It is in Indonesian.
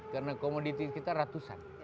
karena komoditas kita ratusan